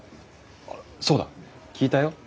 そうだ聞いたよ。